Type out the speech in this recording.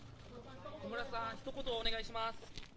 小室さん、ひと言お願いします。